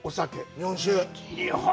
日本酒！